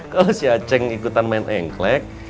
kalau si aceng ikutan main engklek